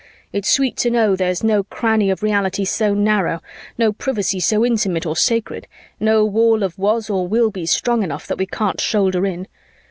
It's sweet to know there's no cranny of reality so narrow, no privacy so intimate or sacred, no wall of was or will be strong enough, that we can't shoulder in.